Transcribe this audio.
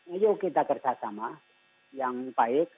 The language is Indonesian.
ayo kita kerjasama yang baik